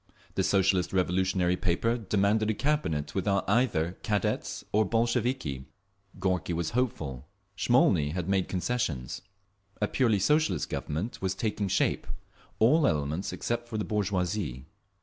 The Socialist Revolutionary paper demanded a Cabinet without either Cadets or Bolsheviki. Gorky was hopeful; Smolny had made concessions. A purely Socialist Government was taking shape—all elements except the bourgeoisie.